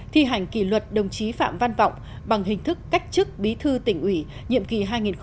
thi hành kỷ luật đồng chí phạm văn vọng bằng hình thức cách chức bí thư tỉnh ủy nhiệm kỳ hai nghìn một mươi hai nghìn một mươi năm